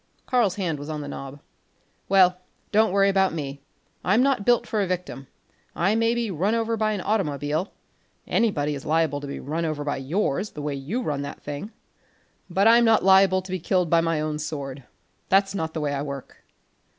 Karl's hand was on the knob. "Well, don't worry about me; I'm not built for a victim. I may be run over by an automobile anybody is liable to be run over by yours, the way you run that thing but I'm not liable to be killed by my own sword. That's not the way I work."